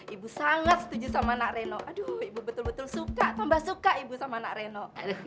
ibu sangat setuju sama anak reno aduh ibu betul betul suka tambah suka ibu sama anak reno